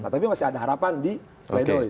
tapi masih ada harapan di pledoi